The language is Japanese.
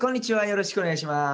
よろしくお願いします。